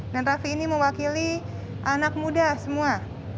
dan raffi ini mewakili anak muda semua